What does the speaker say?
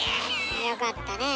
よかったねえ。